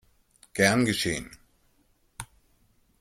Gern geschehen!